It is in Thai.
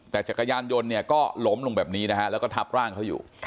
แต่จักรยานยนต์เนี่ยก็ล้มลงแบบนี้นะฮะแล้วก็ทับร่างเขาอยู่